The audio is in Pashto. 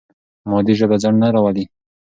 مادي ژبه ځنډ نه راولي.